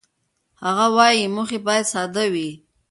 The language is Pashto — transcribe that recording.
هغه وايي، موخې باید ساده وي.